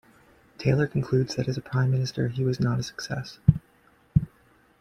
Taylor concludes that as prime minister, he was not a success.